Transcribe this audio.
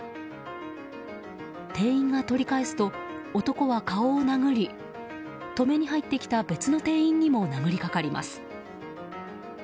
店員が取り返すと、男は顔を殴り止めに入ってきた別の店員にも殴りかかります。